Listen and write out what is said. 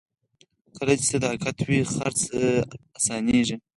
کله چې صداقت وي، خرڅ اسانېږي.